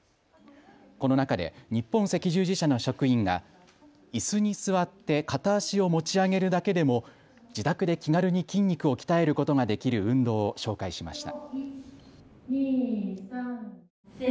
この中で日本赤十字社の職員がいすに座って片足を持ち上げるだけでも自宅で気軽に筋肉を鍛えることができる運動を紹介しました。